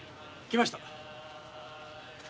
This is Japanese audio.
来ましたぜ。